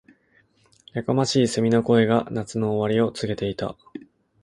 •やかましい蝉の声が、夏の終わりを告げていた。